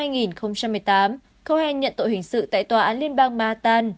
ông nhận tội hình sự tại tòa án liên bang manhattan